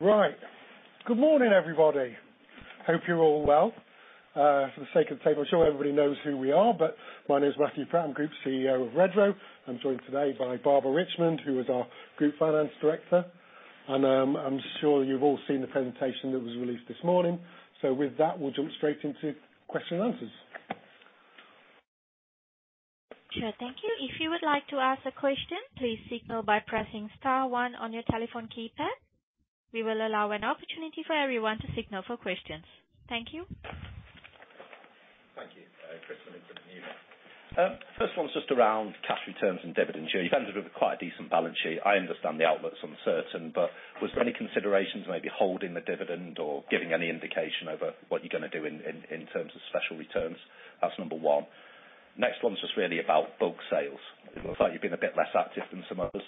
Right. Good morning, everybody. Hope you're all well. For the sake of time, I'm sure everybody knows who we are, but my name is Matthew Pratt, Group CEO of Redrow. I'm joined today by Barbara Richmond, who is our Group Finance Director, and I'm sure you've all seen the presentation that was released this morning. So with that, we'll jump straight into question and answers. Sure, thank you. If you would like to ask a question, please signal by pressing star one on your telephone keypad. We will allow an opportunity for everyone to signal for questions. Thank you. Thank you. Chris Millington, Numis. First one is just around cash returns and dividend share. You've ended with quite a decent balance sheet. I understand the outlook's uncertain, but was there any considerations maybe holding the dividend or giving any indication over what you're going to do in terms of special returns? That's number one. Next one is just really about bulk sales. It looks like you've been a bit less active than some others.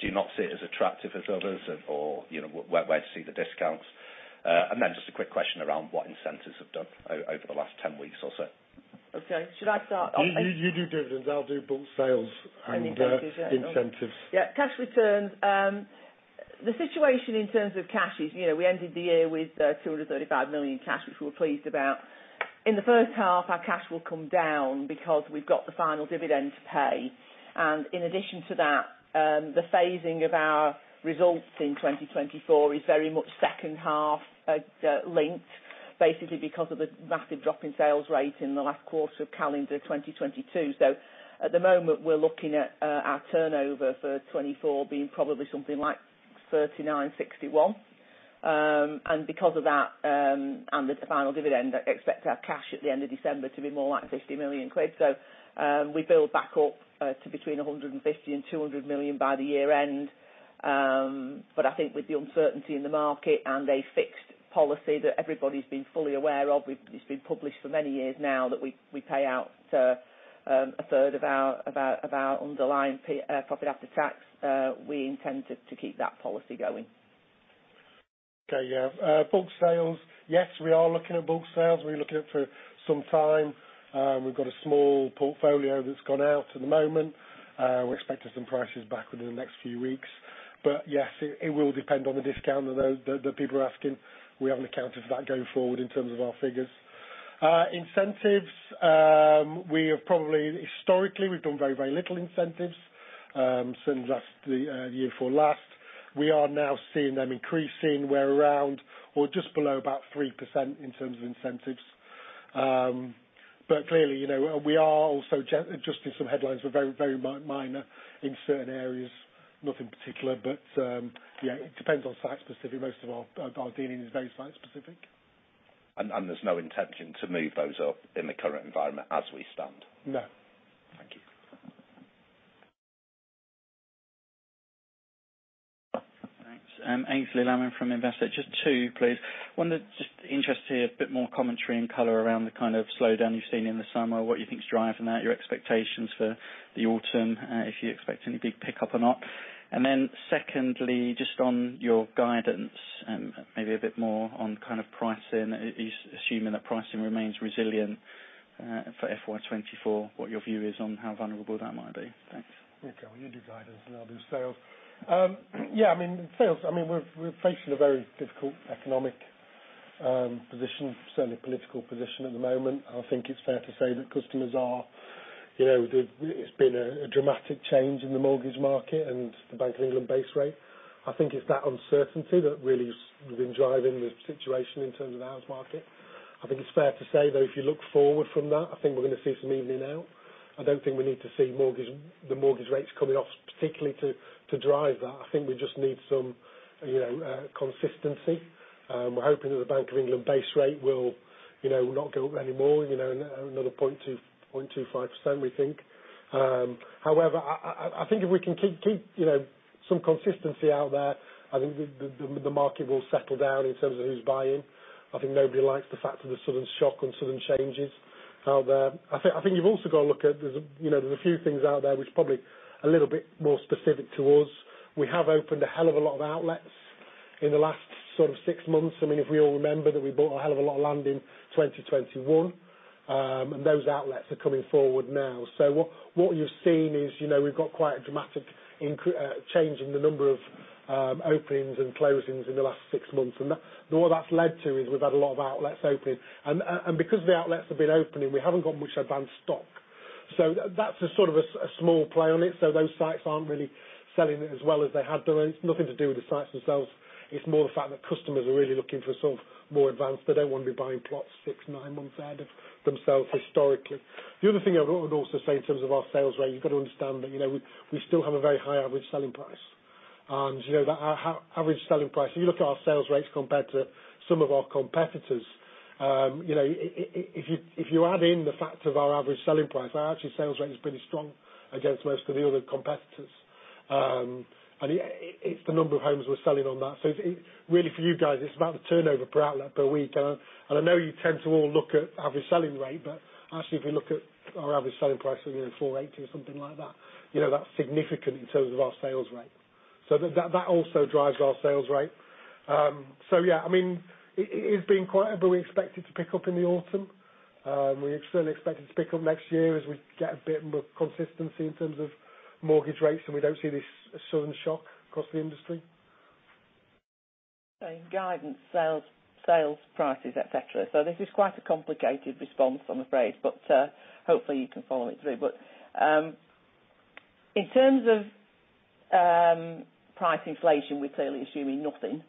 Do you not see it as attractive as others or, you know, where to see the discounts? And then just a quick question around what incentives have done over the last 10 weeks or so. Okay. Should I start? You do dividends, I'll do bulk sales and incentives. Yeah, cash returns. The situation in terms of cash is, you know, we ended the year with 235 million cash, which we're pleased about. In the first half, our cash will come down because we've got the final dividend to pay. And in addition to that, the phasing of our results in 2024 is very much second half linked, basically because of the massive drop in sales rate in the last quarter of calendar 2022. So at the moment, we're looking at our turnover for 2024 being probably something like 3,961 million. And because of that, and the final dividend, I expect our cash at the end of December to be more like 50 million quid. So, we build back up to between 150 million and 200 million by the year end. But I think with the uncertainty in the market and a fixed policy that everybody's been fully aware of, it's been published for many years now, that we pay out two-thirds of our underlying profit after tax, we intend to keep that policy going. Okay, yeah. Bulk sales. Yes, we are looking at bulk sales. We're looking at it for some time. We've got a small portfolio that's gone out at the moment. We're expecting some prices back within the next few weeks. But yes, it will depend on the discount that those people are asking. We haven't accounted for that going forward in terms of our figures. Incentives, we have probably, historically, we've done very, very little incentives since the year before last. We are now seeing them increasing. We're around or just below about 3% in terms of incentives. But clearly, you know, we are also just adjusting some headlines were very, very minor in certain areas. Nothing particular, but yeah, it depends on site-specific. Most of our dealing is very site-specific. And, there's no intention to move those up in the current environment as we stand? No. Thank you. Thanks. Aynsley Lammin from Investec. Just two, please. One, I'm just interested to hear a bit more commentary and color around the kind of slowdown you've seen in the summer, what you think is driving that, your expectations for the autumn, if you expect any big pickup or not. And then secondly, just on your guidance, maybe a bit more on kind of pricing, assuming that pricing remains resilient, for FY 2024, what your view is on how vulnerable that might be? Thanks. Okay, well, you do guidance and I'll do sales. Yeah, I mean, sales, I mean, we're, we're facing a very difficult economic position, certainly political position at the moment. I think it's fair to say that customers are, you know, there's, it's been a dramatic change in the mortgage market and the Bank of England base rate. I think it's that uncertainty that really has been driving the situation in terms of the house market. I think it's fair to say, though, if you look forward from that, I think we're going to see some evening out. I don't think we need to see mortgage, the mortgage rates coming off, particularly to drive that. I think we just need some, you know, consistency. We're hoping that the Bank of England base rate will, you know, not go up anymore, you know, another 0.2-0.25%, we think. However, I think if we can keep some consistency out there, I think the market will settle down in terms of who's buying. I think nobody likes the fact of the sudden shock and sudden changes out there. I think you've also got to look at. There's a few things out there, which are probably a little bit more specific to us. We have opened a hell of a lot of outlets in the last sort of six months. I mean, if we all remember that we bought a hell of a lot of land in 2021, and those outlets are coming forward now. So what you've seen is, you know, we've got quite a dramatic change in the number of openings and closings in the last six months. And what that's led to is we've had a lot of outlets opening. And because the outlets have been opening, we haven't got much advanced stock. So that's a sort of a small play on it. So those sites aren't really selling as well as they had been. It's nothing to do with the sites themselves. It's more the fact that customers are really looking for sort of more advanced. They don't want to be buying plots six, nine months ahead of themselves historically. The other thing I would also say in terms of our sales rate, you've got to understand that, you know, we still have a very high average selling price. You know, that our average selling price, if you look at our sales rates compared to some of our competitors, you know, if you add in the fact of our average selling price, our actual sales rate is pretty strong against most of the other competitors. And it's the number of homes we're selling on that. So it really for you guys, it's about the turnover per outlet per week. And I know you tend to all look at average selling rate, but actually, if you look at our average selling price of 480 or something like that, you know, that's significant in terms of our sales rate. So that also drives our sales rate. So yeah, I mean, it is being quite able, we expect it to pick up in the autumn. We certainly expect it to pick up next year as we get a bit more consistency in terms of mortgage rates, and we don't see this sudden shock across the industry. Okay, guidance, sales, sales, prices, etc. So this is quite a complicated response, I'm afraid, but hopefully, you can follow it through. But in terms of price inflation, we're clearly assuming nothing.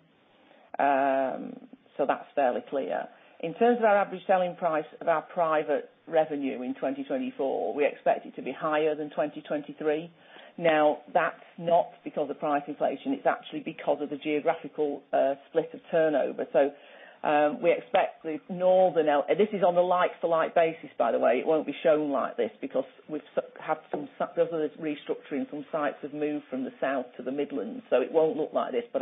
So that's fairly clear. In terms of our average selling price of our private revenue in 2024, we expect it to be higher than 2023. Now, that's not because of price inflation, it's actually because of the geographical split of turnover. So we expect the northern outlets. This is on a like-for-like basis, by the way. It won't be shown like this because there's been restructuring, some sites have moved from the south to the Midlands, so it won't look like this, but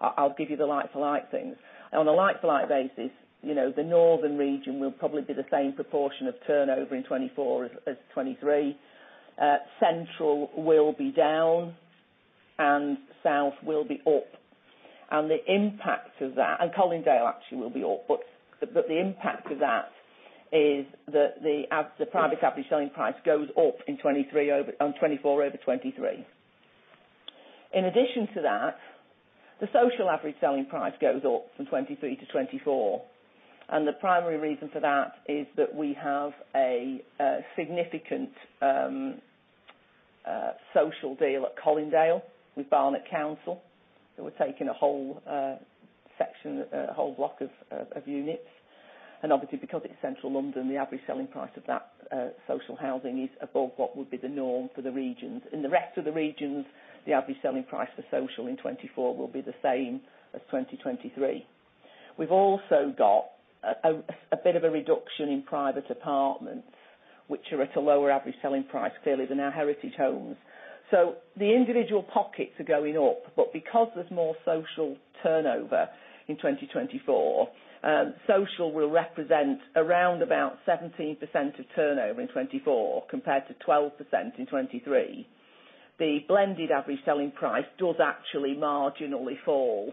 I'll give you the like-for-like things. On a like-for-like basis, you know, the northern region will probably be the same proportion of turnover in 2024 as, as 2023. Central will be down, and south will be up. And the impact of that. And Colindale actually will be up, but, but the impact of that is that the, as the private average selling price goes up in 2023 over, 2024 over 2023. In addition to that, the social average selling price goes up from 2023 to 2024, and the primary reason for that is that we have a significant social deal at Colindale with Barnet Council. So we're taking a whole section, whole block of, of, of units. And obviously, because it's central London, the average selling price of that social housing is above what would be the norm for the regions. In the rest of the regions, the average selling price for social in 2024 will be the same as 2023. We've also got a bit of a reduction in private apartments, which are at a lower average selling price, clearly, than our heritage homes. So the individual pockets are going up, but because there's more social turnover in 2024, social will represent around about 17% of turnover in 2024, compared to 12% in 2023. The blended average selling price does actually marginally fall,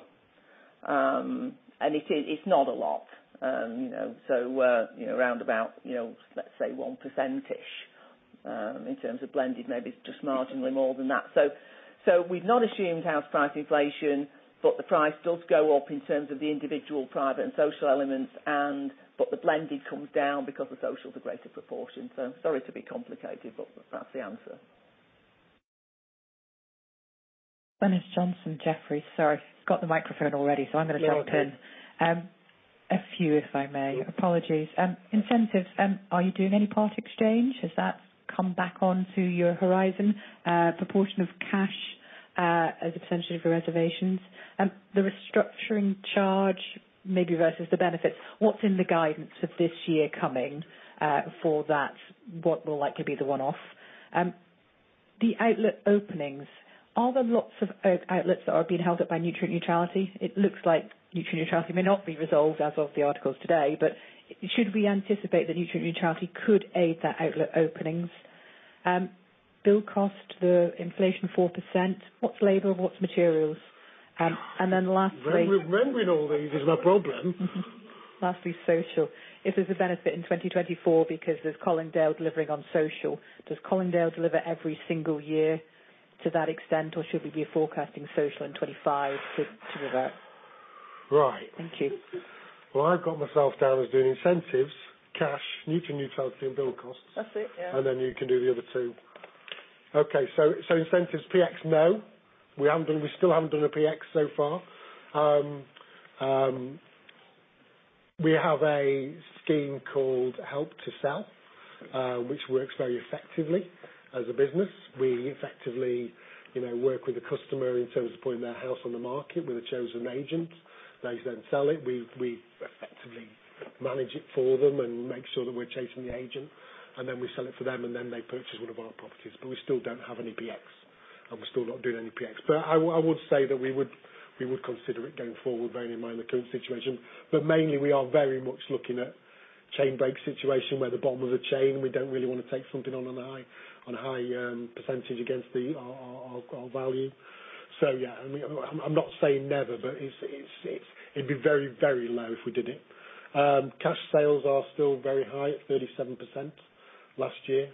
and it is, it's not a lot. You know, so, you know, around about, you know, let's say 1%, in terms of blended, maybe just marginally more than that. So, we've not assumed house price inflation, but the price does go up in terms of the individual, private, and social elements and, but the blending comes down because the social is a greater proportion. So sorry to be complicated, but that's the answer. Glynis Johnson, Jefferies. Sorry, got the microphone already, so I'm gonna jump in. Yeah. A few, if I may. Apologies. Incentives, are you doing any Part Exchange? Has that come back onto your horizon? Proportion of cash, as a percentage of your reservations? The restructuring charge, maybe versus the benefits, what's in the guidance for this year coming, for that? What will likely be the one-off? The outlet openings, are there lots of outlets that are being held up by nutrient neutrality? It looks like nutrient neutrality may not be resolved as of the articles today, but should we anticipate that nutrient neutrality could aid that outlet openings? Build cost, the inflation 4%, what's labor, what's materials? And then lastly- Remembering all these is a problem. Lastly, social. If there's a benefit in 2024 because there's Colindale delivering on social, does Colindale deliver every single year to that extent, or should we be forecasting social in 2025 to do that? Right. Thank you. Well, I've got myself down as doing incentives, cash, nutrient neutrality, and build costs. That's it, yeah. And then you can do the other two. Okay, so, so incentives, PX, no. We haven't done, we still haven't done a PX so far. We have a scheme called Help to Sell, which works very effectively as a business. We effectively, you know, work with the customer in terms of putting their house on the market with a chosen agent. They then sell it. We've, we effectively manage it for them and make sure that we're chasing the agent, and then we sell it for them, and then they purchase one of our properties, but we still don't have any PX, and we're still not doing any PX. But I would say that we would consider it going forward, bearing in mind the current situation, but mainly we are very much looking at chain break situation where we're bottom of the chain, and we don't really want to take something on, on a high percentage against our value. So yeah, I mean, I'm not saying never, but it's it'd be very, very low if we did it. Cash sales are still very high at 37% last year.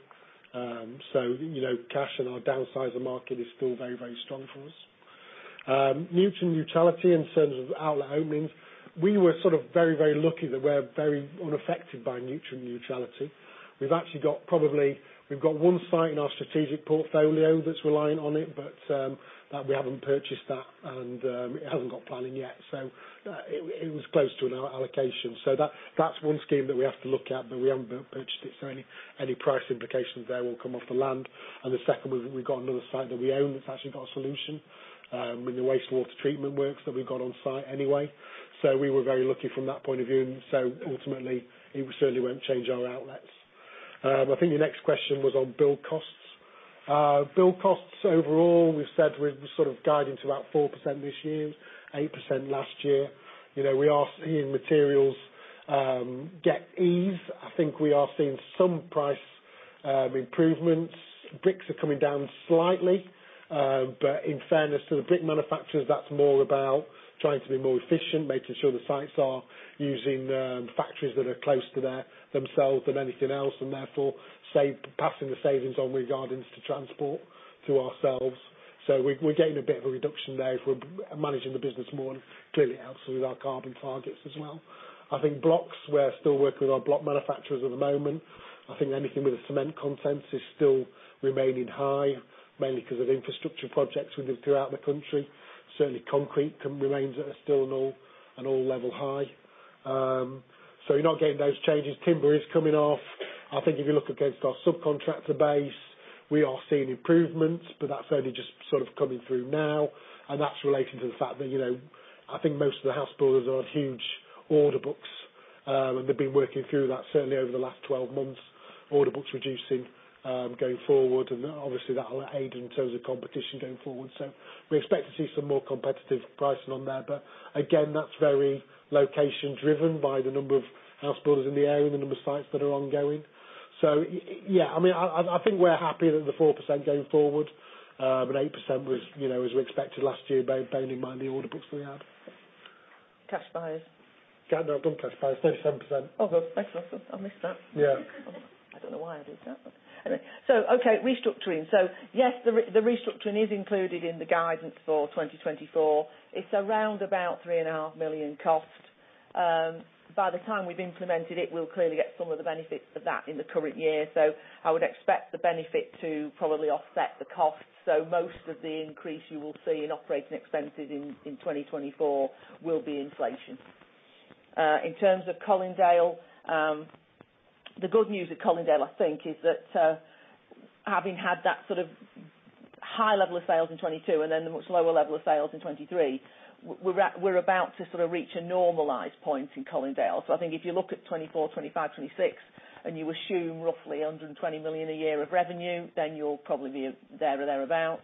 So, you know, cash in our downsize of market is still very, very strong for us. Nutrient neutrality in terms of outlet openings, we were sort of very, very lucky that we're very unaffected by nutrient neutrality. We've actually got probably.. We've got one site in our strategic portfolio that's relying on it, but that we haven't purchased and it hasn't got planning yet, so it was close to another allocation. So that's one scheme that we have to look at, but we haven't purchased it, so any price implications there will come off the land. And the second one, we've got another site that we own that's actually got a solution with the wastewater treatment works that we've got on site anyway. So we were very lucky from that point of view, and so ultimately, it certainly won't change our outlets. I think your next question was on build costs. Build costs overall, we've said we're sort of guiding to about 4% this year, 8% last year. You know, we are seeing materials get ease. I think we are seeing some price improvements. Bricks are coming down slightly, but in fairness to the brick manufacturers, that's more about trying to be more efficient, making sure the sites are using factories that are close to their themselves than anything else, and therefore, passing the savings on regardless to transport to ourselves. So we're getting a bit of a reduction there if we're managing the business more, and clearly helps with our carbon targets as well. I think blocks, we're still working with our block manufacturers at the moment. I think anything with a cement content is still remaining high, mainly 'cause of infrastructure projects we do throughout the country. Certainly concrete remains at a still an all, an all-level high. So you're not getting those changes. Timber is coming off. I think if you look against our subcontractor base, we are seeing improvements, but that's only just sort of coming through now, and that's related to the fact that, you know, I think most of the house builders are on huge order books. And they've been working through that, certainly over the last 12 months. Order books reducing, going forward, and obviously that will aid in terms of competition going forward. So we expect to see some more competitive pricing on there, but again, that's very location driven by the number of house builders in the area, and the number of sites that are ongoing. So yeah, I mean, I think we're happy with the 4% going forward. But 8% was, you know, as we expected last year, bearing in mind the order books that we had. Cash buyers? Yeah, no, I've done cash buyers, 37%. Oh, good. Excellent. I missed that. Yeah. I don't know why I did that. Anyway, so okay, restructuring. So yes, the restructuring is included in the guidance for 2024. It's around about 3.5 million cost. By the time we've implemented it, we'll clearly get some of the benefits of that in the current year. So I would expect the benefit to probably offset the cost. So most of the increase you will see in operating expenses in 2024 will be inflation. In terms of Colindale, the good news at Colindale, I think, is that, having had that sort of high level of sales in 2022 and then the much lower level of sales in 2023, we're about to sort of reach a normalized point in Colindale. So I think if you look at 2024, 2025, 2026, and you assume roughly 120 million a year of revenue, then you'll probably be there or thereabout.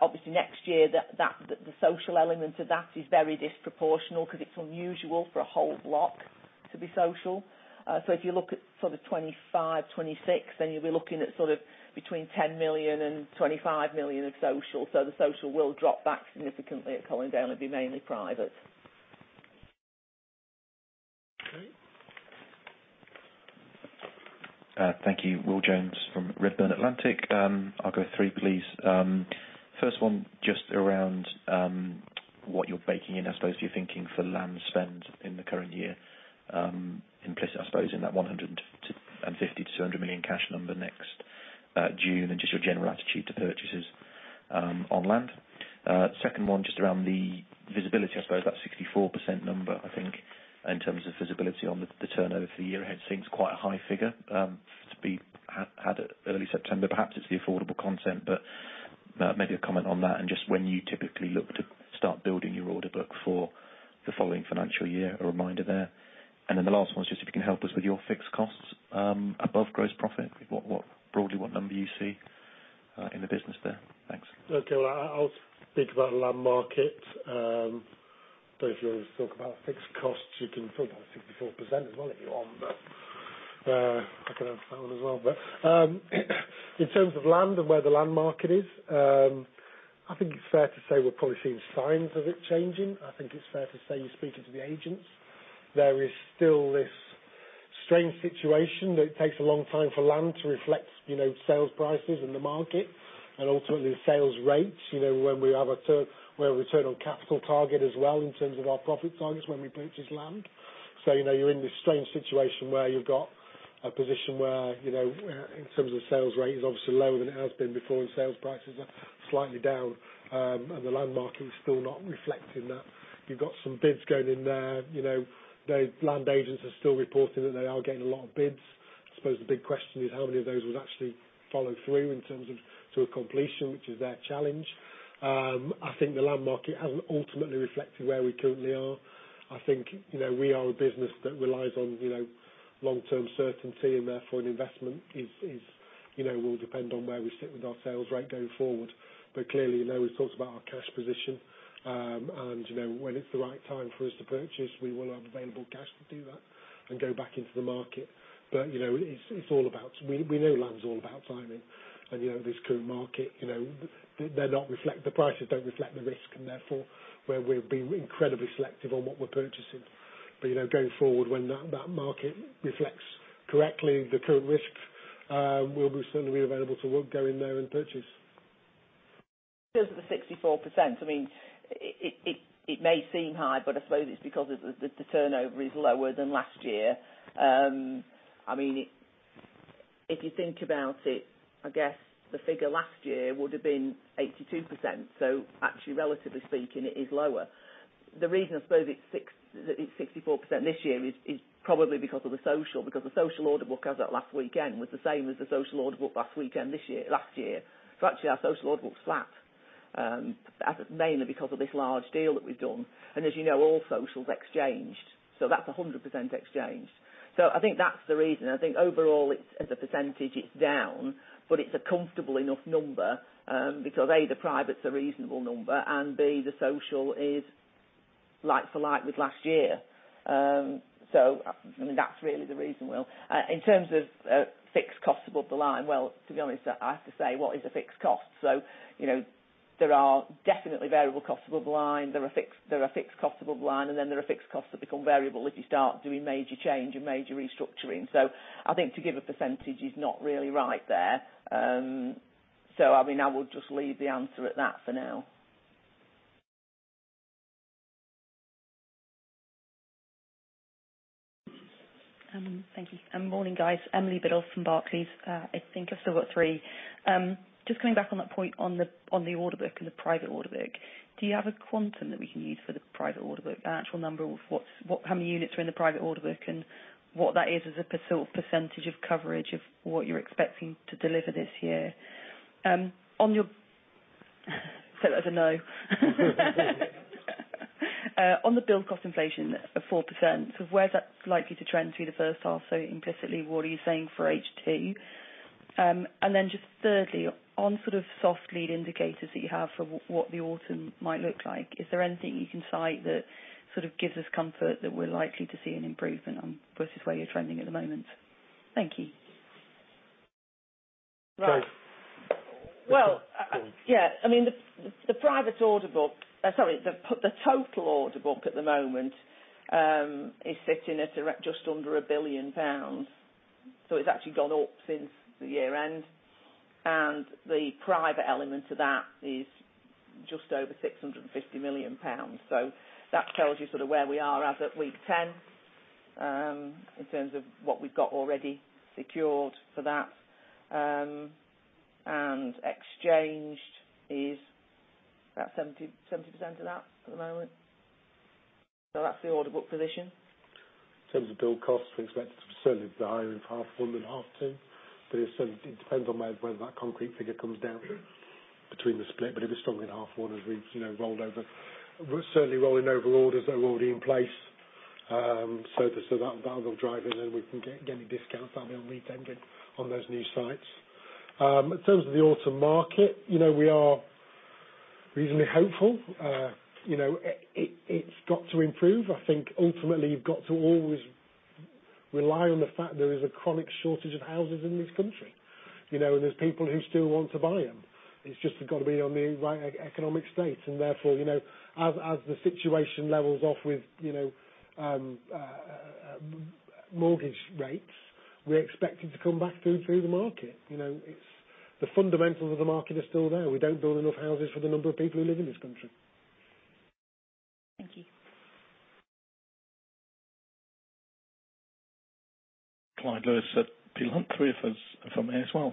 Obviously next year, the social element of that is very disproportional because it's unusual for a whole block to be social. So if you look at sort of 2025, 2026, then you'll be looking at sort of between 10 million and 25 million of social. So the social will drop back significantly at Colindale and be mainly private. Okay. Thank you. Will Jones from Redburn Atlantic. I'll go three, please. First one, just around what you're baking in, I suppose, you're thinking for land spend in the current year, implicit, I suppose, in that 150-200 million cash number next June, and just your general attitude to purchases on land. Second one, just around the visibility, I suppose, that 64% number, I think, in terms of visibility on the turnover for the year ahead, seems quite a high figure to be at early September. Perhaps it's the affordable content, but maybe a comment on that, and just when you typically look to start building your order book for the following financial year, a reminder there. The last one is just if you can help us with your fixed costs above gross profit, broadly, what number you see in the business there? Thanks. Okay, well, I'll, I'll speak about the land market. But if you want to talk about fixed costs, you can talk about 64% as well, if you want, but, I can have that one as well. But, in terms of land and where the land market is, I think it's fair to say we're probably seeing signs of it changing. I think it's fair to say, speaking to the agents, there is still this strange situation that it takes a long time for land to reflect, you know, sales prices in the market and ultimately sales rates, you know, when we have a return on capital target as well in terms of our profit targets, when we purchase land. You know, you're in this strange situation where you've got a position where, you know, in terms of sales rate, is obviously lower than it has been before, and sales prices are slightly down, and the land market is still not reflecting that. You've got some bids going in there, you know, those land agents are still reporting that they are getting a lot of bids. I suppose the big question is how many of those would actually follow through in terms of, to a completion, which is their challenge. I think the land market hasn't ultimately reflected where we currently are. I think, you know, we are a business that relies on, you know, long-term certainty, and therefore an investment is, you know, will depend on where we sit with our sales rate going forward. But clearly, you know, we've talked about our cash position, and, you know, when it's the right time for us to purchase, we will have available cash to do that and go back into the market. But, you know, it's all about... We know land is all about timing, and, you know, this current market, you know, they're not reflect-- the prices don't reflect the risk, and therefore, where we've been incredibly selective on what we're purchasing. But, you know, going forward, when that market reflects correctly the current risks, we'll be certainly available to go in there and purchase. Because of the 64%, I mean, it, it, it may seem high, but I suppose it's because the, the, the turnover is lower than last year. I mean, if you think about it, I guess the figure last year would have been 82%. So actually, relatively speaking, it is lower. The reason, I suppose, it's 64% this year is, is probably because of the social, because the social order book as at last weekend, was the same as the social order book last weekend, this year, last year. So actually, our social order book's flat, as mainly because of this large deal that we've done. And as you know, all social's exchanged, so that's 100% exchanged. So I think that's the reason. I think overall it's, as a percentage, it's down, but it's a comfortable enough number, because, A, the private's a reasonable number, and B, the social is like for like with last year. So, I mean, that's really the reason, Will. In terms of, fixed costs above the line, well, to be honest, I have to say, what is a fixed cost? So, you know, there are definitely variable costs above the line. There are fixed, there are fixed costs above the line, and then there are fixed costs that become variable if you start doing major change and major restructuring. So I think to give a percentage is not really right there. So I mean, I would just leave the answer at that for now. Thank you, and morning, guys. Emily Biddulph from Barclays. I think I've still got three. Just coming back on that point, on the order book and the private order book, do you have a quantum that we can use for the private order book? An actual number of how many units are in the private order book, and what that is as a per, sort of percentage of coverage of what you're expecting to deliver this year? So that's a no. On the build cost inflation of 4%, so where's that likely to trend through the first half? So implicitly, what are you saying for H2? And then, just thirdly, on sort of soft lead indicators that you have for what the autumn might look like, is there anything you can cite that sort of gives us comfort that we're likely to see an improvement on versus where you're trending at the moment? Thank you. Right. Great. Well, yeah, I mean, the private order book, sorry, the total order book at the moment is sitting at around just under 1 billion pounds. So it's actually gone up since the year end, and the private element of that is just over 650 million pounds. So that tells you sort of where we are as at week 10 in terms of what we've got already secured for that. And exchanged is about 70% of that at the moment. So that's the order book position. In terms of build costs, we expect certainly higher in half one than half two, but so it depends on whether that concrete figure comes down between the split, but it was stronger in half one as we you know rolled over. We're certainly rolling over orders that are already in place, so that will drive it, and we can get any discounts that we'll need then on those new sites. In terms of the autumn market, you know, we are reasonably hopeful. You know, it's got to improve. I think ultimately, you've got to always rely on the fact there is a chronic shortage of houses in this country, you know, and there's people who still want to buy them. It's just got to be on the right economic state. And therefore, you know, as the situation levels off with, you know, mortgage rates, we're expecting to come back through the market. You know, it's, the fundamentals of the market are still there. We don't build enough houses for the number of people who live in this country. Thank you. Clyde Lewis at Peel Hunt. Three of us from here as well.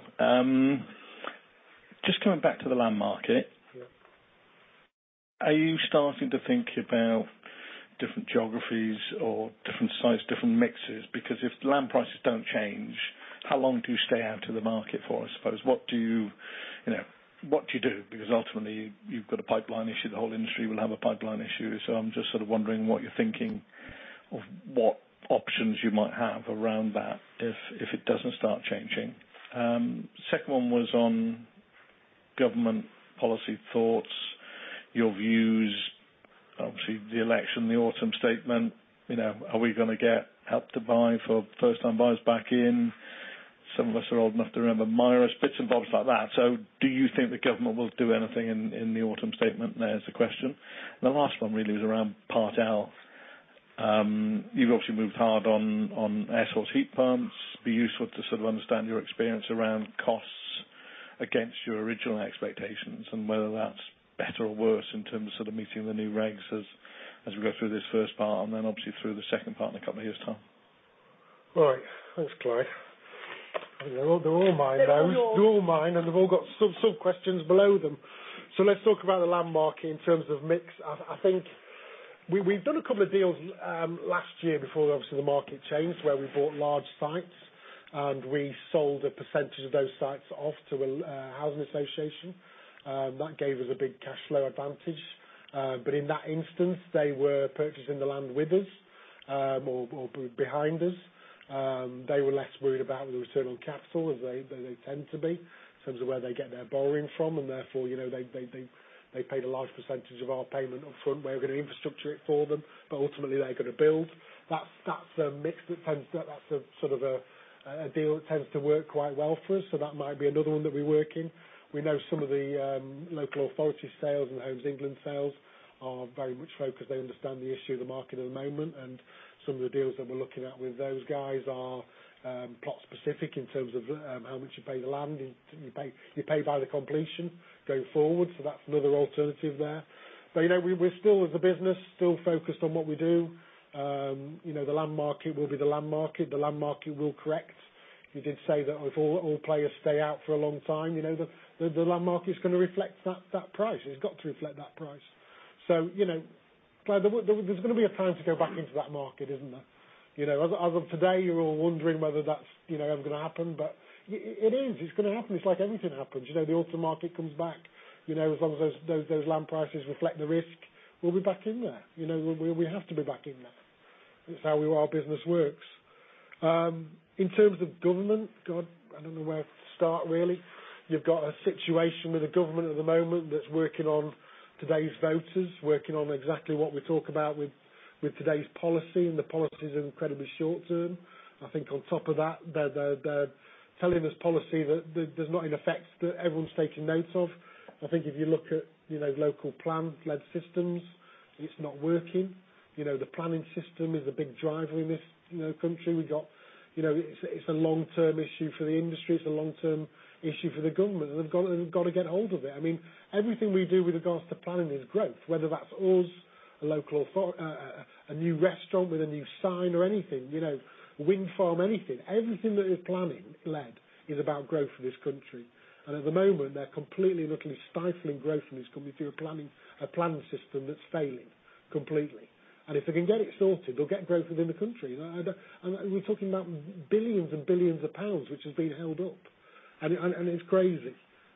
Just coming back to the land market. Yeah. Are you starting to think about different geographies or different sites, different mixes? Because if land prices don't change, how long do you stay out of the market for, I suppose? What do you, you know, what do you do? Because ultimately, you've got a pipeline issue. The whole industry will have a pipeline issue. So I'm just sort of wondering what you're thinking, of what options you might have around that if, if it doesn't start changing. Second one was on government policy thoughts, your views, obviously, the election, the Autumn Statement, you know, are we gonna get Help to Buy for first-time buyers back in? Some of us are old enough to remember MIRAS, bits and bobs like that. So do you think the government will do anything in, in the Autumn Statement there, is the question? The last one really was around Part L. You've obviously moved hard on air source heat pumps. Be useful to sort of understand your experience around costs against your original expectations and whether that's better or worse in terms of sort of meeting the new regs as we go through this first part, and then obviously through the second part in a couple of years' time. Right. Thanks, Clyde. They're all, they're all mine, those. They're all mine, and they've all got sub-questions below them. So let's talk about the land market in terms of mix. I think we've done a couple of deals last year before, obviously, the market changed, where we bought large sites, and we sold a percentage of those sites off to a housing association. That gave us a big cash flow advantage, but in that instance, they were purchasing the land with us, or behind us. They were less worried about the return on capital as they tend to be, in terms of where they get their borrowing from, and therefore, you know, they paid a large percentage of our payment up front. We're going to infrastructure it for them, but ultimately, they're going to build. That's a sort of a deal that tends to work quite well for us, so that might be another one that we work in. We know some of the local authority sales and Homes England sales are very much focused. They understand the issue of the market at the moment, and some of the deals that we're looking at with those guys are plot-specific in terms of how much you pay the land. You pay by the completion going forward, so that's another alternative there. But you know, we're still as a business still focused on what we do. You know, the land market will be the land market. The land market will correct. You did say that if all players stay out for a long time, you know, the land market is gonna reflect that price. It's got to reflect that price. So, you know, Clyde, there's gonna be a time to go back into that market, isn't there? You know, as of today, you're all wondering whether that's, you know, ever gonna happen, but it is, it's gonna happen. It's like anything happens. You know, the auto market comes back. You know, as long as those land prices reflect the risk, we'll be back in there. You know, we have to be back in there. That's how our business works. In terms of government, God, I don't know where to start, really. You've got a situation with the government at the moment that's working on today's voters, working on exactly what we talk about with today's policy, and the policies are incredibly short term. I think on top of that, the telling this policy that there's not in effect, that everyone's taking note of. I think if you look at, you know, local plan-led systems, it's not working. You know, the planning system is a big driver in this, you know, country. We got, you know, it's a long-term issue for the industry. It's a long-term issue for the government, and they've got to get hold of it. I mean, everything we do with regards to planning is growth, whether that's us, a local authority, a new restaurant with a new sign or anything, you know, wind farm, anything. Everything that is planning-led is about growth for this country. At the moment, they're completely literally stifling growth in this country through a planning system that's failing completely. If they can get it sorted, they'll get growth within the country. We're talking about billions and billions of GBP, which has been held up, and it's crazy.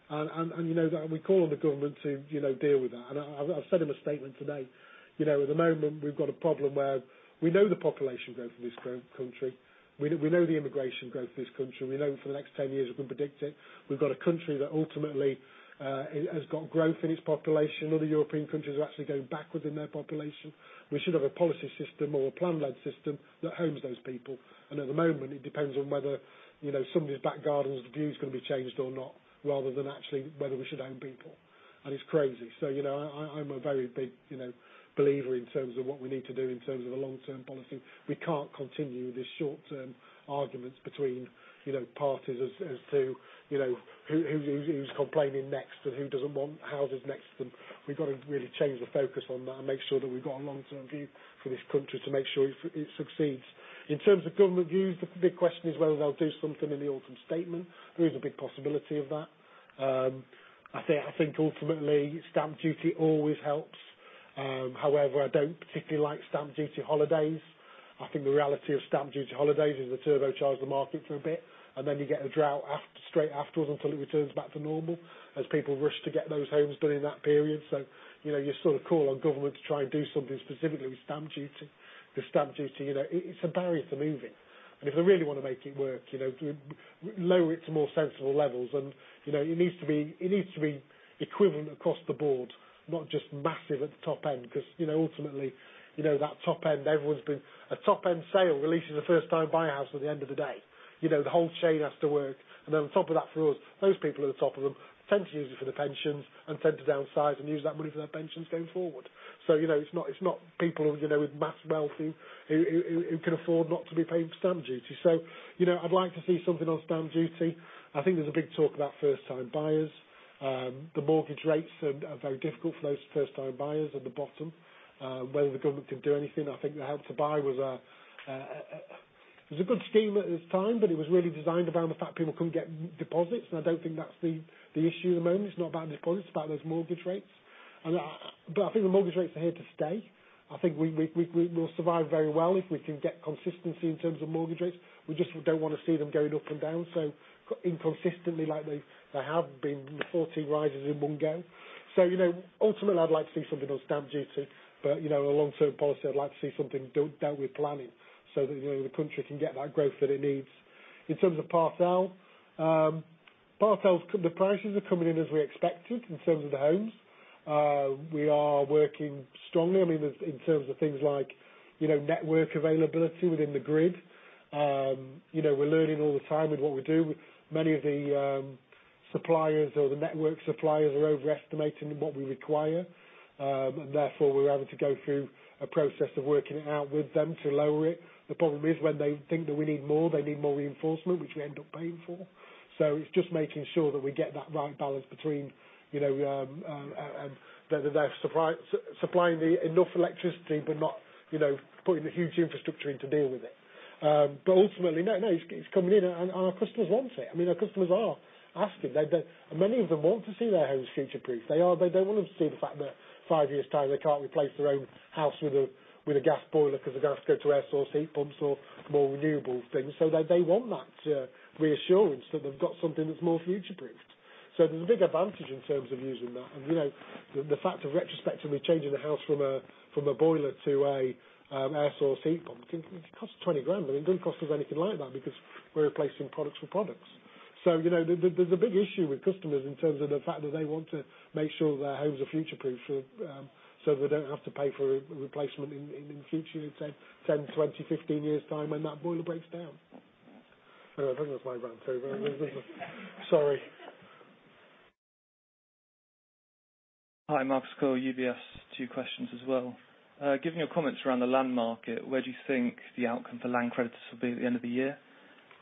You know, we call on the government to deal with that. I've said in my statement today, you know, at the moment, we've got a problem where we know the population growth of this country. We know the immigration growth of this country. We know for the next 10 years, we can predict it. We've got a country that ultimately it has got growth in its population. Other European countries are actually going backwards in their population. We should have a policy system or a plan-led system that homes those people, and at the moment, it depends on whether, you know, somebody's back garden's view is gonna be changed or not, rather than actually whether we should home people, and it's crazy. So, you know, I'm a very big, you know, believer in terms of what we need to do in terms of a long-term policy. We can't continue this short-term arguments between, you know, parties as to, you know, who's complaining next or who doesn't want houses next to them. We've got to really change the focus on that and make sure that we've got a long-term view for this country to make sure it succeeds. In terms of government views, the big question is whether they'll do something in the Autumn Statement. There is a big possibility of that. I think ultimately, stamp duty always helps. However, I don't particularly like stamp duty holidays. I think the reality of stamp duty holidays is to turbocharge the market for a bit, and then you get a drought straight afterwards until it returns back to normal, as people rush to get those homes during that period. So, you know, you sort of call on government to try and do something specifically with stamp duty. The stamp duty, you know, it's a barrier to moving, and if they really want to make it work, you know, lower it to more sensible levels. You know, it needs to be equivalent across the board, not just massive at the top end, 'cause, you know, ultimately, you know, that top end, everyone's been... A top-end sale releases a first-time buyer house at the end of the day. You know, the whole chain has to work. And then on top of that, for us, those people at the top of them tend to use it for their pensions and tend to downsize and use that money for their pensions going forward. So, you know, it's not people, you know, with mass wealth who can afford not to be paying stamp duty. So, you know, I'd like to see something on stamp duty. I think there's a big talk about first-time buyers. The mortgage rates are very difficult for those first-time buyers at the bottom. Whether the government can do anything, I think the Help to Buy was a good scheme at this time, but it was really designed around the fact people couldn't get deposits, and I don't think that's the issue at the moment. It's not about deposits, it's about those mortgage rates. But I think the mortgage rates are here to stay. I think we will survive very well if we can get consistency in terms of mortgage rates. We just don't want to see them going up and down so inconsistently like they have been, with 14 rises in one go. So, you know, ultimately, I'd like to see something on stamp duty, but, you know, a long-term policy, I'd like to see something done with planning so that, you know, the country can get that growth that it needs. In terms of Part L, Part L, the prices are coming in as we expected in terms of the homes. We are working strongly, I mean, in terms of things like, you know, network availability within the grid. You know, we're learning all the time with what we do. Many of the suppliers or the network suppliers are overestimating what we require, and therefore, we're having to go through a process of working it out with them to lower it. The problem is when they think that we need more, they need more reinforcement, which we end up paying for. So it's just making sure that we get that right balance between, you know, the supply, supplying enough electricity, but not, you know, putting the huge infrastructure in to deal with it. But ultimately, it's coming in, and our customers want it. I mean, our customers are asking. They, many of them want to see their homes future-proof. They are—they don't want to see the fact that five years' time, they can't replace their own house with a gas boiler because the gas goes to air source heat pumps, or more renewable things. So they want that reassurance that they've got something that's more future-proof. So there's a big advantage in terms of using that. You know, the fact of retrospectively changing the house from a boiler to a air source heat pump, it costs 20,000, but it didn't cost us anything like that because we're replacing products for products. So, you know, there's a big issue with customers in terms of the fact that they want to make sure their homes are future-proof, so they don't have to pay for a replacement in future, in say, 10, 20, 15 years' time, when that boiler breaks down. I think that's my round two, but sorry. Hi, Marcus Cole, UBS. Two questions as well. Given your comments around the land market, where do you think the outcome for land creditors will be at the end of the year?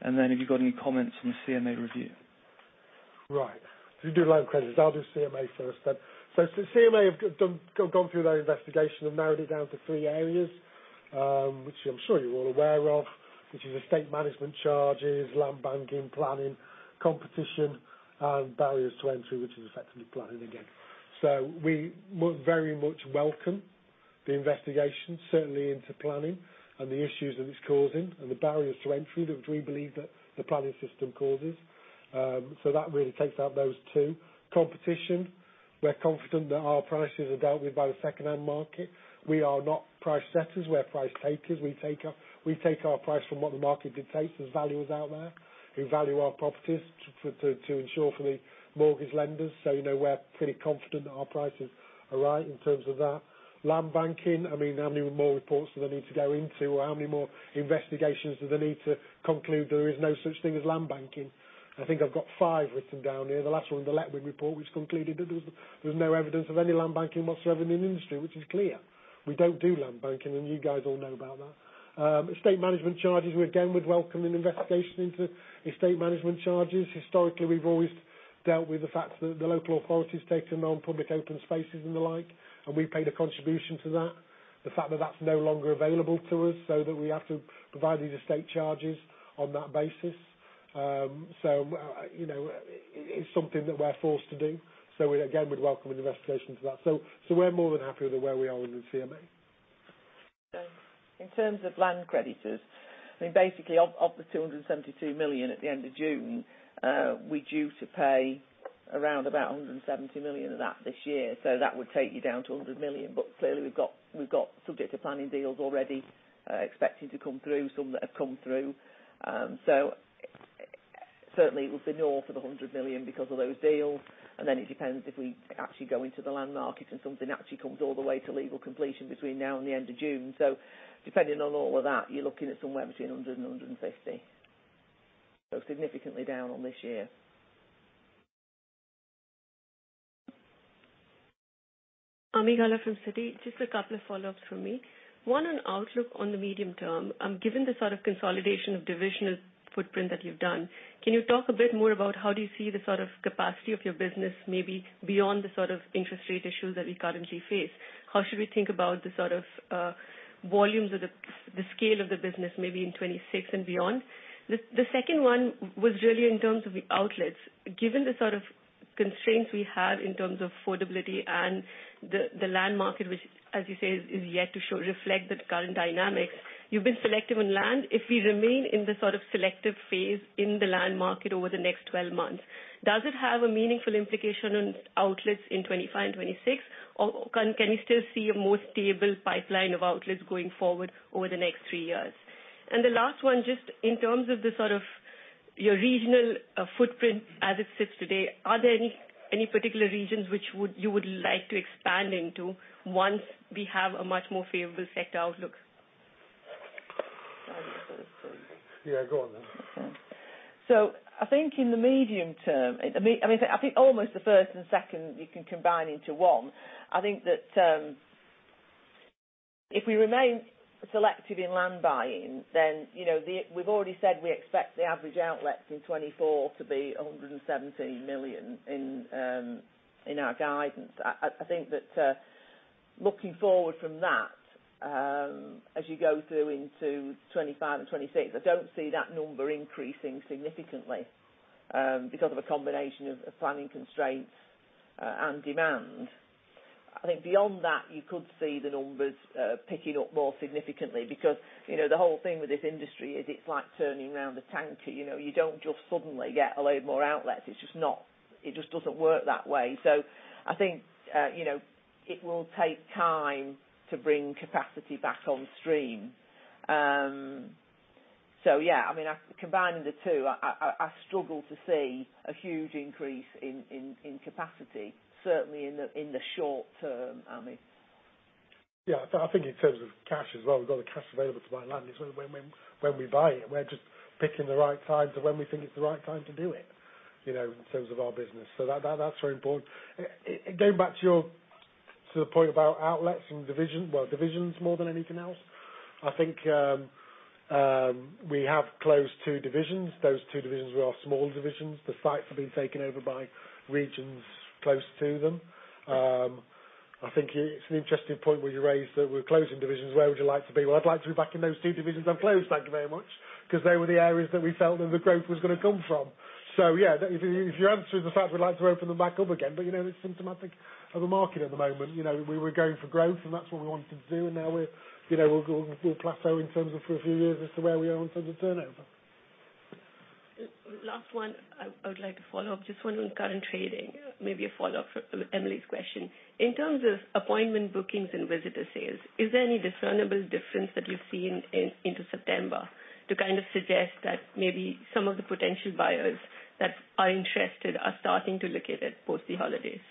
And then, have you got any comments on the CMA review? Right. You do land credits. I'll do CMA first then. So the CMA have gone through that investigation and narrowed it down to three areas, which I'm sure you're all aware of, which is estate management charges, land banking, planning, competition, and barriers to entry, which is effectively planning again. So we very much welcome the investigation, certainly into planning and the issues that it's causing and the barriers to entry, which we believe that the planning system causes. So that really takes out those two. Competition? We're confident that our prices are dealt with by the secondhand market. We are not price setters, we're price takers. We take our price from what the market dictates, as valuers out there who value our properties to ensure for the mortgage lenders. So, you know, we're pretty confident that our prices are right in terms of that. Land banking, I mean, how many more reports do they need to go into, or how many more investigations do they need to conclude there is no such thing as land banking? I think I've got five written down here. The last one, the Letwin Report, which concluded that there was, there was no evidence of any land banking whatsoever in the industry, which is clear. We don't do land banking, and you guys all know about that. Estate management charges, we again, would welcome an investigation into estate management charges. Historically, we've always dealt with the fact that the local authorities take them on public open spaces and the like, and we paid a contribution to that. The fact that that's no longer available to us, so that we have to provide these estate charges on that basis, so, you know, it's something that we're forced to do. So again, we'd welcome an investigation into that. So we're more than happy with where we are in the CMA. In terms of land creditors, I mean, basically of the 272 million at the end of June, we're due to pay around about 170 million of that this year. So that would take you down to 100 million. But clearly, we've got subject to planning deals already, expected to come through, some that have come through. So certainly it will be north of the 100 million because of those deals, and then it depends if we actually go into the land market and something actually comes all the way to legal completion between now and the end of June. So depending on all of that, you're looking at somewhere between 100 and 150. So significantly down on this year. Ami Galla from Citi. Just a couple of follow-ups from me. One, on outlook on the medium term, given the sort of consolidation of divisional footprint that you've done, can you talk a bit more about how do you see the sort of capacity of your business, maybe beyond the sort of interest rate issues that we currently face? How should we think about the sort of volumes or the scale of the business, maybe in 2026 and beyond? The second one was really in terms of the outlets. Given the sort of constraints we have in terms of affordability and the land market, which, as you say, is yet to show, reflect the current dynamics, you've been selective on land. If we remain in the sort of selective phase in the land market over the next 12 months, does it have a meaningful implication on outlets in 25 and 26, or can you still see a more stable pipeline of outlets going forward over the next three years? And the last one, just in terms of the sort of your regional footprint as it sits today, are there any particular regions which you would like to expand into once we have a much more favorable sector outlook? Yeah, go on then. Okay. So I think in the medium term, I mean, I think almost the first and second, you can combine into one. I think that if we remain selective in land buying, then, you know, we've already said we expect the average outlets in 2024 to be 117 million in our guidance. I think that looking forward from that, as you go through into 2025 and 2026, I don't see that number increasing significantly because of a combination of planning constraints and demand. I think beyond that, you could see the numbers picking up more significantly because, you know, the whole thing with this industry is it's like turning around a tanker. You know, you don't just suddenly get a load more outlets. It's just not, it just doesn't work that way. I think, you know, it will take time to bring capacity back on stream. So yeah, I mean, combining the two, I struggle to see a huge increase in capacity, certainly in the short term, Amy. Yeah, I think in terms of cash as well, we've got the cash available to buy land. It's when, when, when we buy it, we're just picking the right times of when we think it's the right time to do it, you know, in terms of our business. So that, that, that's very important. Going back to your, to the point about outlets and division, well, divisions more than anything else, I think, we have closed two divisions. Those two divisions were our small divisions. The sites have been taken over by regions close to them. I think it's an interesting point where you raised that we're closing divisions. Where would you like to be? Well, I'd like to be back in those two divisions I've closed, thank you very much, because they were the areas that we felt that the growth was going to come from. So, yeah, the answer is the fact we'd like to open them back up again, but you know, it's symptomatic of the market at the moment. You know, we were going for growth, and that's what we wanted to do, and now we're, you know, we'll plateau in terms of for a few years as to where we are in terms of turnover. Last one, I would like to follow up, just one on current trading, maybe a follow-up for Emily's question. In terms of appointment, bookings, and visitor sales, is there any discernible difference that you've seen in, into September to kind of suggest that maybe some of the potential buyers that are interested are starting to look at it post the holidays?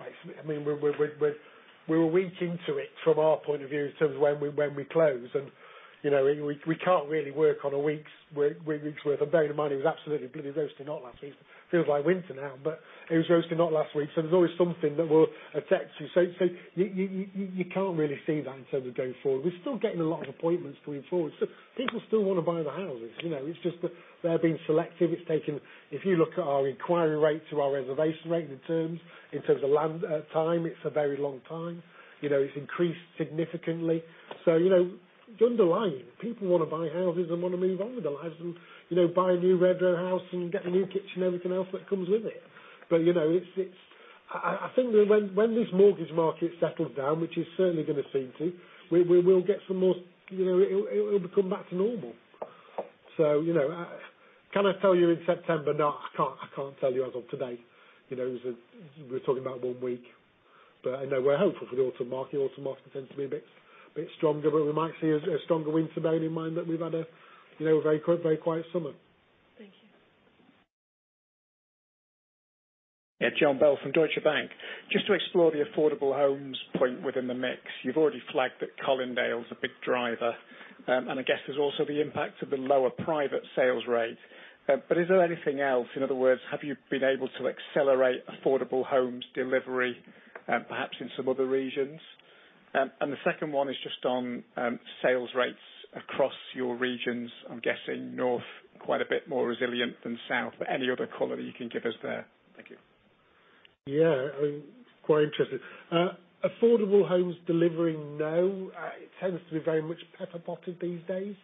I mean, we're a week into it from our point of view, in terms of when we close, and, you know, we can't really work on a week's worth. Bear in mind, it was absolutely bloody roasting hot last week. Feels like winter now, but it was roasting hot last week, so there's always something that will affect you. So you can't really see that in terms of going forward. We're still getting a lot of appointments coming forward, so people still want to buy the houses. You know, it's just that they're being selective. It's taking... If you look at our inquiry rate to our reservation rate in terms of lead time, it's a very long time. You know, it's increased significantly. So, you know, underlying, people want to buy houses and want to move on with their lives and, you know, buy a new Redrow house and get a new kitchen, everything else that comes with it. But, you know, it's. I think when this mortgage market settles down, which is certainly going to seem to, we will get some more, you know, it will come back to normal. So, you know, can I tell you in September? No, I can't tell you as of today. You know, it was. We're talking about one week, but I know we're hopeful for the autumn market. Autumn market tends to be a bit stronger, but we might see a stronger winter bearing in mind that we've had a, you know, a very quiet summer. Thank you. Yeah, Jon Bell from Deutsche Bank. Just to explore the affordable homes point within the mix. You've already flagged that Colindale is a big driver, and I guess there's also the impact of the lower private sales rate. But is there anything else? In other words, have you been able to accelerate affordable homes delivery, perhaps in some other regions? And the second one is just on, sales rates across your regions. I'm guessing north, quite a bit more resilient than south, but any other color you can give us there? Thank you. Yeah, quite interesting. Affordable homes delivering, no, it tends to be very much pepper-potted these days,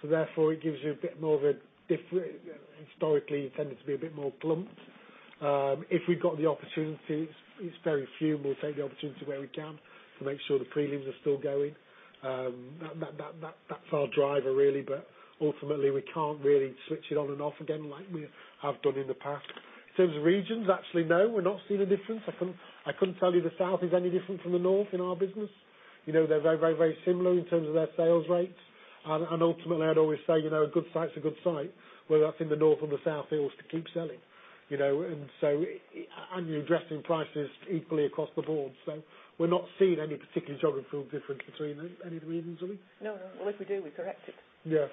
so therefore, it gives you a bit more of a different. Historically, it tended to be a bit more clumped. If we've got the opportunity, it's very few, we'll take the opportunity where we can to make sure the premiums are still going. That's our driver, really, but ultimately, we can't really switch it on and off again like we have done in the past. In terms of regions, actually, no, we're not seeing a difference. I couldn't tell you the south is any different from the north in our business. You know, they're very, very, very similar in terms of their sales rates. Ultimately, I'd always say, you know, a good site is a good site, whether that's in the north or the south, it has to keep selling. You know, and so you're addressing prices equally across the board. So we're not seeing any particular geographical difference between any of the regions, are we? No, no. Well, if we do, we correct it. Yeah.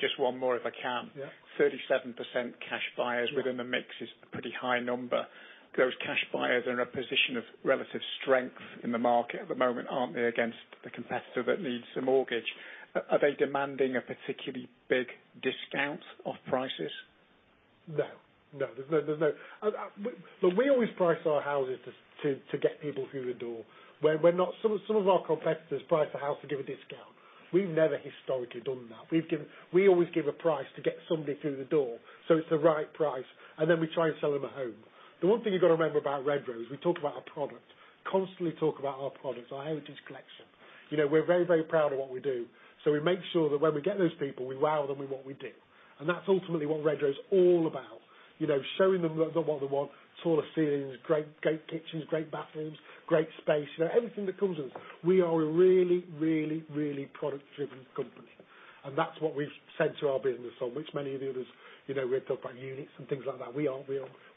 Just one more, if I can. Yeah. 37% cash buyers- Yeah within the mix is a pretty high number. Those cash buyers are in a position of relative strength in the market at the moment, aren't they, against the competitor that needs a mortgage? Are they demanding a particularly big discount off prices? No. No, there's no, there's no... but we always price our houses to get people through the door. We're not— Some of our competitors price a house to give a discount. We've never historically done that. We always give a price to get somebody through the door, so it's the right price, and then we try and sell them a home. The one thing you've got to remember about Redrow is, we talk about our product. Constantly talk about our product, our homes collection. You know, we're very, very proud of what we do, so we make sure that when we get those people, we wow them with what we do. And that's ultimately what Redrow is all about. You know, showing them what they want, taller ceilings, great, great kitchens, great bathrooms, great space, you know, everything that comes with us. We are a really, really, really product-driven company, and that's what we've centered our business on, which many of the others, you know, we've talked about units and things like that. We are,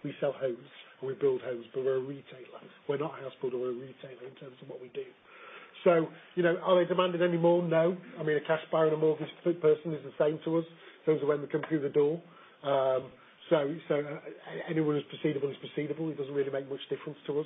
we sell homes and we build homes, but we're a retailer. We're not a house builder, we're a retailer in terms of what we do. So, you know, are they demanding any more? No. I mean, a cash buyer and a mortgaged person is the same to us, in terms of when they come through the door. So anyone who's proceedable is proceedable. It doesn't really make much difference to us.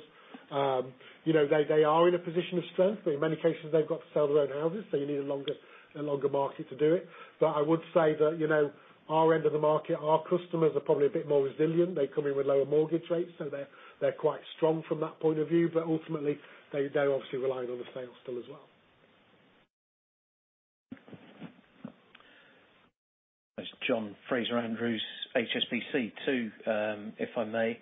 You know, they are in a position of strength, but in many cases, they've got to sell their own houses, so you need a longer market to do it. But I would say that, you know, our end of the market, our customers are probably a bit more resilient. They come in with lower mortgage rates, so they're quite strong from that point of view, but ultimately, they're obviously relying on the sales still as well. It's John Fraser-Andrews, HSBC, 2, if I may.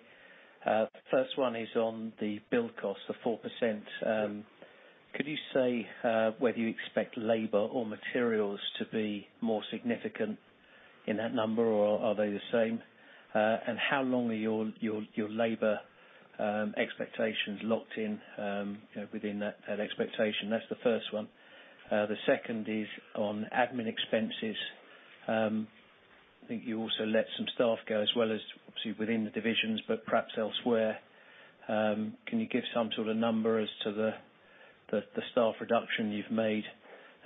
The first one is on the build cost of 4%, could you say, whether you expect labor or materials to be more significant in that number, or are they the same? And how long are your labor expectations locked in, you know, within that expectation? That's the first one. The second is on admin expenses. I think you also let some staff go, as well as obviously within the divisions, but perhaps elsewhere. Can you give some sort of number as to the staff reduction you've made,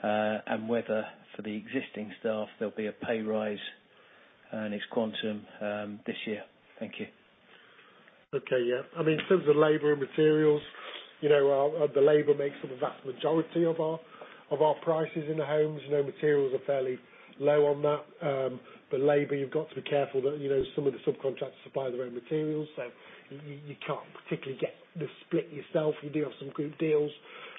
and whether for the existing staff, there'll be a pay rise and its quantum, this year? Thank you. Okay, yeah. I mean, in terms of labor and materials, you know, the labor makes up the vast majority of our, of our prices in the homes. You know, materials are fairly low on that. But labor, you've got to be careful that, you know, some of the subcontractors supply their own materials, so you can't particularly get the split yourself. You do have some group deals.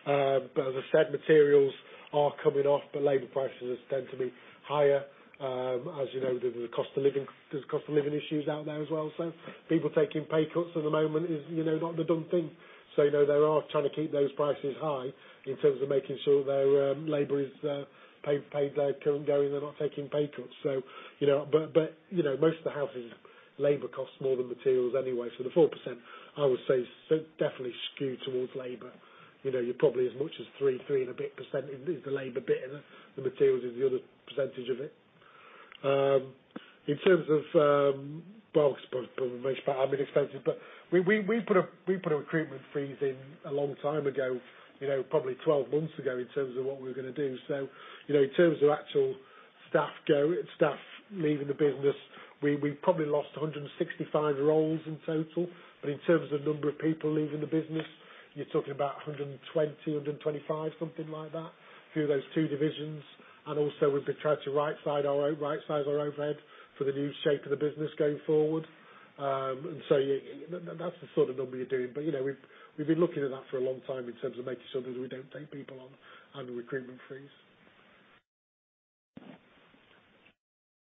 But as I said, materials are coming off, but labor prices tend to be higher. As you know, there's a cost of living, there's cost of living issues out there as well. So people taking pay cuts at the moment is, you know, not the done thing. So, you know, they are trying to keep those prices high in terms of making sure their, labor is, paid, paid, current going, they're not taking pay cuts. So, you know, most of the houses, labor costs more than materials anyway. So the 4%, I would say, so definitely skewed towards labor. You know, you're probably as much as 3, 3 and a bit percent is the labor bit, and the materials is the other percentage of it. In terms of, well, probably, I mean expenses, but we put a recruitment freeze in a long time ago, you know, probably 12 months ago, in terms of what we were going to do. So, you know, in terms of actual staff leaving the business, we probably lost 165 roles in total. But in terms of the number of people leaving the business, you're talking about 120, 125, something like that, through those two divisions. Also, we've been trying to rightside our own, rightsize our overhead for the new shape of the business going forward. So that's the sort of number you're doing. But, you know, we've been looking at that for a long time in terms of making sure that we don't take people on the recruitment freeze.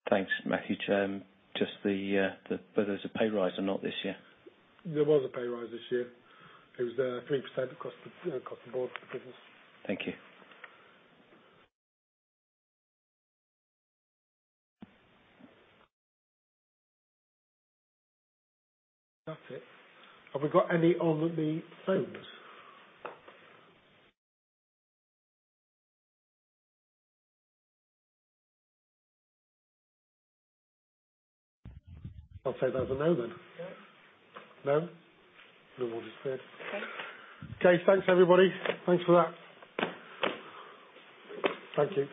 Thanks, Matthew. Just whether there's a pay rise or not this year? There was a pay raise this year. It was 3% across the, you know, across the board for business. Thank you. That's it. Have we got any on the phones? I'll take that as a no, then. Yeah. No? No one is there. Okay. Okay, thanks, everybody. Thanks for that. Thank you.